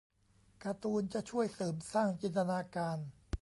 การ์ตูนจะช่วยเสริมสร้างจินตนาการ